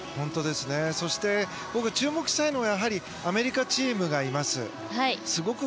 そして僕が注目したいのはやはりアメリカチームがいます。